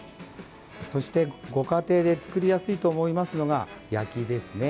そして、ご家庭で作りやすいと思うのが焼きですね。